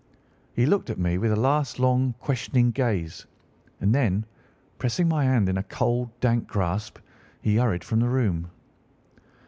He looked at me with a last long, questioning gaze, and then, pressing my hand in a cold, dank grasp, he hurried from the room.